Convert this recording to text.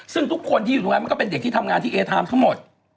ซึ่งทุกคนที่อยู่ตรงนั้นมันก็เป็นเด็กที่ทำงานที่เอไทม์ทั้งหมด